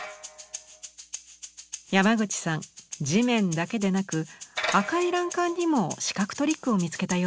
山口さん地面だけでなく赤い欄干にも視覚トリックを見つけたようです。